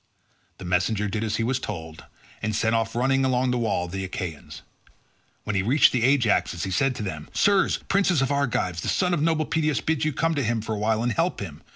The messenger did as he was told, and set off running along the wall of the Achaeans. When he reached the Ajaxes he said to them, "Sirs, princes of the Argives, the son of noble Peteos bids you come to him for a while and help him.